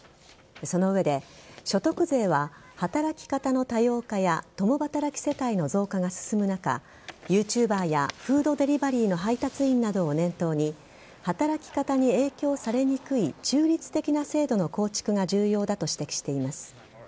その上で、所得税は働き方の多様化や共働き世帯の増加が進む中ＹｏｕＴｕｂｅｒやフードデリバリーの配達員などを念頭に働き方に影響されにくい中立的な制度の構築が重要だと指摘しています。